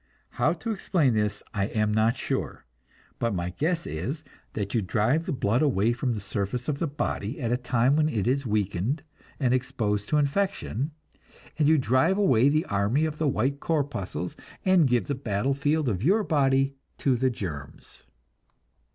How to explain this I am not sure, but my guess is that you drive the blood away from the surface of the body at a time when it is weakened and exposed to infection, and you drive away the army of the white corpuscles, and give the battlefield of your body to the germs.